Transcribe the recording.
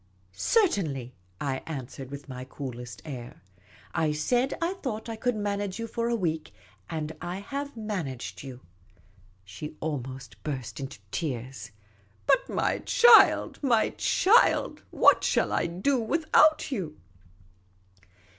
" Certainly," I answered, with my coolest air. " I said I thought I could manage you for a week ; and I have managed you." She almost burst into tears. " But, my child, my child, what shall I do without you